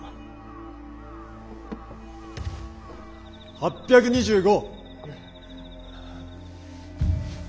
８２５。